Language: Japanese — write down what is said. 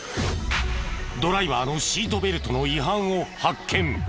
ドライバーのシートベルトの違反を発見。